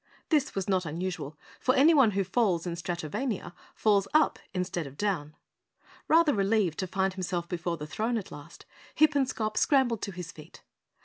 This was not unusual, for anyone who falls in Stratovania, falls up instead of down. Rather relieved to find himself before the throne at last, Hippenscop scrambled to his feet.